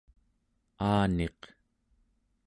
aaniq